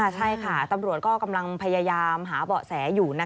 ใช่ค่ะตำรวจก็กำลังพยายามหาเบาะแสอยู่